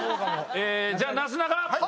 じゃあなすなか。